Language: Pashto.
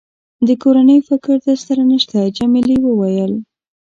د کورنۍ فکر در سره نشته؟ جميلې وويل:.